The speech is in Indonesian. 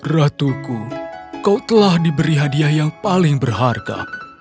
ratuku kau telah diberi hadiah yang paling berharga